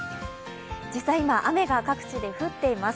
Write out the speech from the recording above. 実際今、雨が各地で降っています。